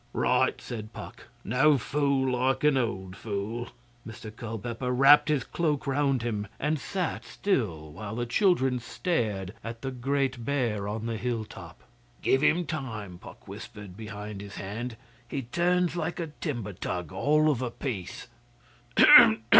'Right,' said Puck. 'No fool like an old fool.' Mr Culpeper wrapped his cloak round him and sat still while the children stared at the Great Bear on the hilltop. 'Give him time,' Puck whispered behind his hand. 'He turns like a timber tug all of a piece.